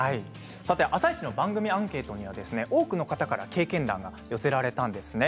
「あさイチ」の番組アンケートには多くの方から経験談が寄せられたんです。